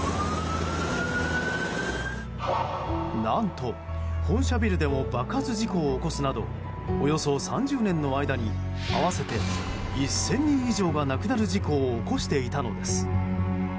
何と、本社ビルでも爆発事故を起こすなどおよそ３０年の間に合わせて１０００人以上が亡くなる事故を起こしていたのです。